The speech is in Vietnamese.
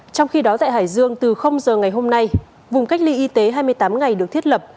trong khi đó tại hải dương từ giờ ngày hôm nay vùng cách ly y tế hai mươi tám ngày được thiết lập